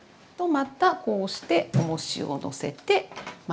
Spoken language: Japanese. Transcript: また押しておもしをのせてまた一晩。